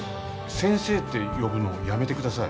先生って呼ぶのやめてください。